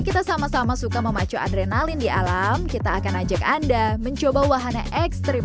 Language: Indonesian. kita sama sama suka memacu adrenalin di alam kita akan ajak anda mencoba wahana ekstrim